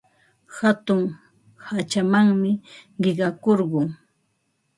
Hatun hachamanmi qiqakurqun.